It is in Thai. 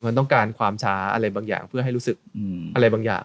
มันต้องการความช้าอะไรบางอย่างเพื่อให้รู้สึกอะไรบางอย่าง